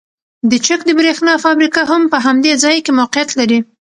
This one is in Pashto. د چک د بریښنا فابریکه هم په همدې ځای کې موقیعت لري